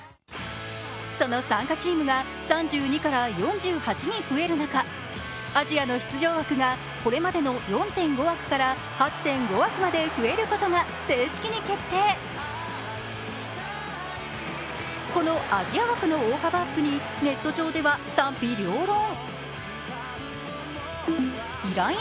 その参加チームが３２から４８に増える中、アジアの出場枠がこれまでの４．５枠から８．５枠まで増えることがこのアジア枠の大幅アップにネット上では賛否両論。